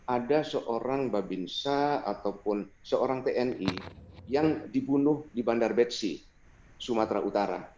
ada seorang babinsa ataupun seorang tni yang dibunuh di bandar betsi sumatera utara